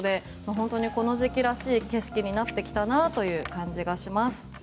本当にこの時期らしい景色になってきたという感じがします。